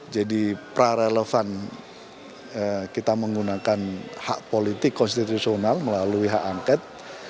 jadi pra relevan kita menggunakan hak politik konstitusional melalui hak angket